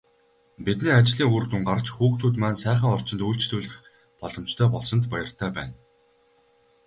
Бидний ажлын үр дүн гарч, хүүхдүүд маань сайхан орчинд үйлчлүүлэх боломжтой болсонд баяртай байна.